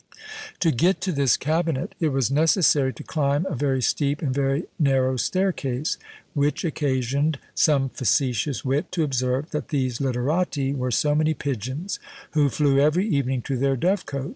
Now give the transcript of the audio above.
To get to this cabinet it was necessary to climb a very steep and very narrow staircase, which occasioned some facetious wit to observe, that these literati were so many pigeons who flew every evening to their dovecot.